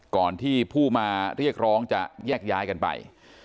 ก่อนที่ผู้มาเรียกร้องจะแยกย้ายกันไป